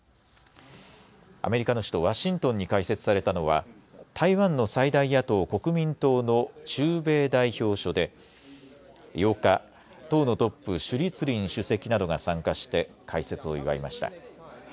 アメリカの首都ワシントンに開設されたのは台湾の最大野党・国民党の駐米代表処で８日、党のトップ、朱立倫主席などが参加して開設を祝いました。